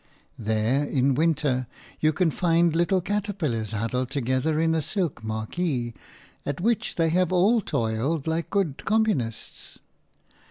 There, in winter, you can find little caterpillars huddled together in a silk marquee, at which they have all toiled like good communists.